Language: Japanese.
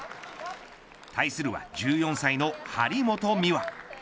対するは１４歳の張本美和。